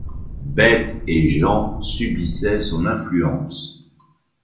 Bêtes et gens subissaient son influence.